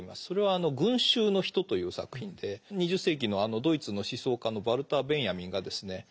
それは「群衆の人」という作品で２０世紀のドイツの思想家のヴァルター・ベンヤミンがですね